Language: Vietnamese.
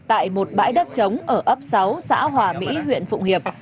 tại một bãi đất trống ở ấp sáu xã hòa mỹ huyện phụng hiệp